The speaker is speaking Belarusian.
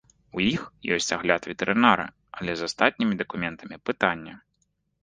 У іх ёсць агляд ветэрынара, але з астатнімі дакументамі пытанне.